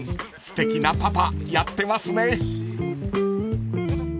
すてきなパパやってますね］